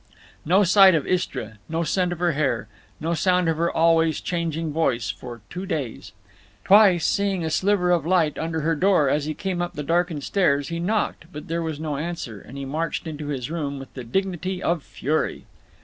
No sight of Istra, no scent of her hair, no sound of her always changing voice for two days. Twice, seeing a sliver of light under her door as he came up the darkened stairs, he knocked, but there was no answer, and he marched into his room with the dignity of fury.